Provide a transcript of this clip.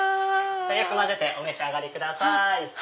よく混ぜてお召し上がりください。